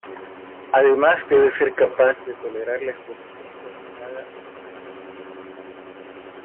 Además, debe ser capaz de tolerar la exposición prolongada a la comida fría.